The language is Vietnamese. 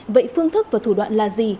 vậy phương thức và thủ đoạn là gì